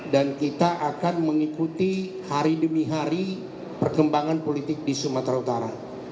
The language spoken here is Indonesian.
dan kita akan mengikuti hari demi hari perkembangan politik di sumatera utara